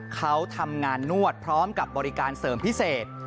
เขาทำงานนวดพร้อมกับบริการเสริมพิเศษ